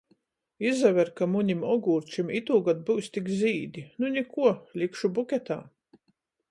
Izaver, ka munim ogūrčim itūgod byus tik zīdi. Nu nikuo, likšu buketā!